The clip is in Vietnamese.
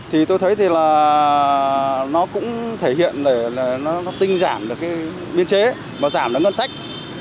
thì tôi thấy thì là nó cũng thể hiện để nó tinh giảm được cái biên chế và giảm được ngân sách